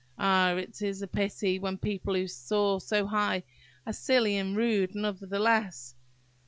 Ah, it's a pity when people who soar so high are silly and rude nevertheless!